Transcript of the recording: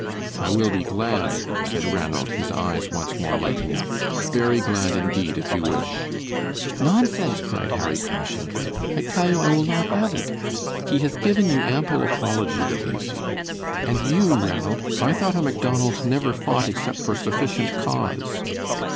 "I will be glad," said Ranald, his eyes once more lighting up. "Very glad indeed, if you wish." "Nonsense," cried Harry, passionately, "I tell you I will not have it. He has given you ample apology, De Lacy; and you, Ranald, I thought a Macdonald never fought except for sufficient cause!"